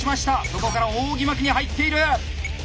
そこから扇巻きに入っている！